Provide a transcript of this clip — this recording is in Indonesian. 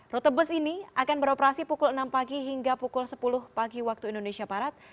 rute bus ini akan beroperasi pukul enam pagi hingga pukul sepuluh pagi waktu indonesia barat